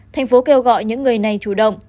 thành phố kêu gọi những người này chủ động